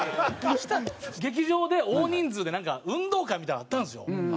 劇場で大人数でなんか運動会みたいなのあったんですよ。